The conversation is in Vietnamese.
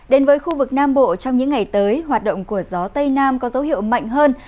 đến với khu vực nam bộ trong những ngày tới hoạt động của gió tây nam có dấu hiệu mạnh hơn